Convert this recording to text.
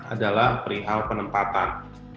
adalah perihal penempatan